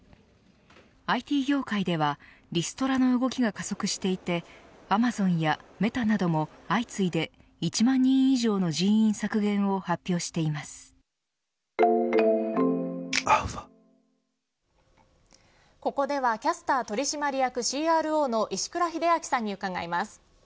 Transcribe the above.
ＩＴ業界ではリストラの動きが加速していてアマゾンやメタなども相次いで１万人以上のここではキャスター取締役ＣＲＯの石倉秀明さんに伺います。